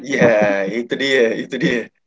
iya itu dia itu dia